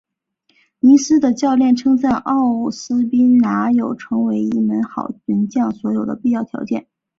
尼斯的教练称赞奥斯宾拿有成为一个好门将所有必要的条件。